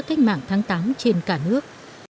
cách mạng tháng tám trên cả nước